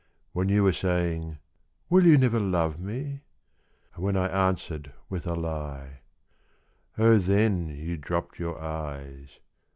When you were saying, "Will you never love me?" And when I answered with a lie. Oh then You dropped your eyes.